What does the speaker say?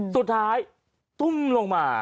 สุดท้ายตุ้มลงมา